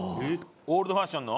オールドファッションの？